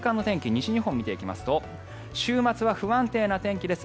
西日本見ていきますと週末は不安定な天気です。